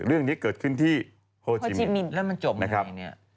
เรื่องนี้เกิดขึ้นที่หโฮจิมิตแล้วมันจบแว่ไหน